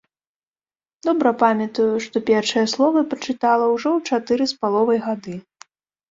Добра памятаю, што першыя словы прачытала ўжо ў чатыры з паловай гады.